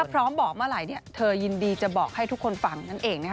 พร้อมบอกเมื่อไหร่เธอยินดีจะบอกให้ทุกคนฟังนั่นเองนะคะ